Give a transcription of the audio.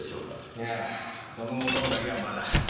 いやこの男だけはまだ。